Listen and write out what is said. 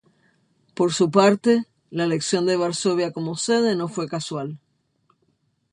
Por su parte, la elección de Varsovia como sede no fue casual.